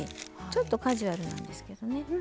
ちょっとカジュアルなんですけどね。